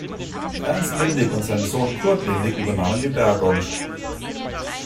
Ernst Lindig und sein Sohn Kurt Lindig übernahmen die Bergung.